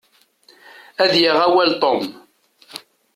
Ad yaɣ awal Tom.